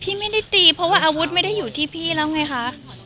พี่ไม่ได้ตีเพราะว่าอาวุธไม่ได้อยู่ที่พี่แล้วไงคะ